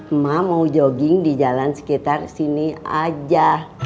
emak mau jogging di jalan sekitar sini aja